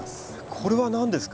これは何ですか？